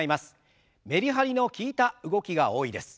メリハリの利いた動きが多いです。